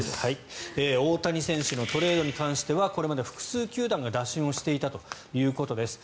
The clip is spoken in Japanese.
大谷選手のトレードに関してはこれまでは複数球団が打診していたということです。